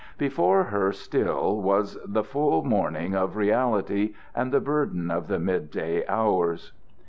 Before her still was the full morning of reality and the burden of the mid day hours.